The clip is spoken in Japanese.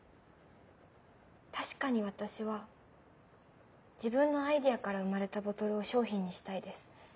確かに私は自分のアイデアから生まれたボトルを商品にしたいです。